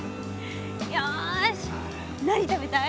よし何食べたい？